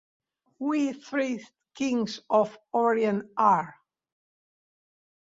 "We three Kings of Orient are".